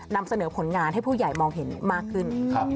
นำเสนอผลงานให้ผู้ใหญ่มองเห็นมากขึ้น